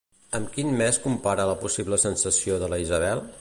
Amb quin mes compara la possible sensació de la Isabel?